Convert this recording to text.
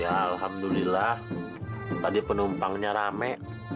ya alhamdulillah tadi penumpangnya rame